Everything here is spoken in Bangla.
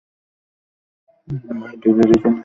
ভাই ভেবে রেখে দিও।